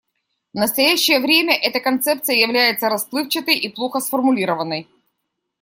В настоящее время эта концепция является расплывчатой и плохо сформулированной.